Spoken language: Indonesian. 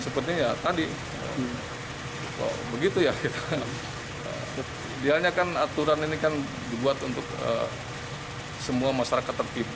sepertinya tadi begitu ya kita dianyakan aturan ini kan dibuat untuk semua masyarakat tertib